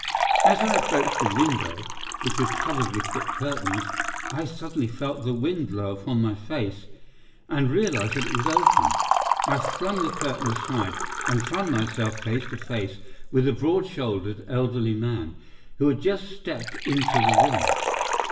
As I approached the window, which is covered with thick curtains, I suddenly felt the wind blow upon my face and realized that it was open. I flung the curtain aside and found myself face to face with a broad shouldered elderly man, who had just stepped into the room.